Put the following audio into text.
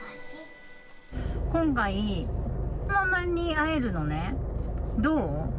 今回、ママに会えるのね。